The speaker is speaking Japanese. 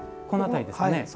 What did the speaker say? この辺りですかね。